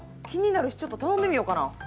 気になるし、ちょっと頼んでみようかな。